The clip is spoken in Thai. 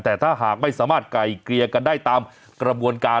แต่ถ้าหากไม่สามารถไก่เกลี่ยกันได้ตามกระบวนการ